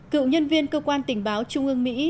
cựu nhân viên cơ quan tình báo trung ương mỹ